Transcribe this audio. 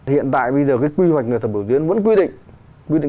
hiện tại bây giờ cái quy hoạch người thập bổ tiến vẫn quy định